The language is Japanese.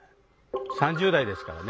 ３０代ですからね。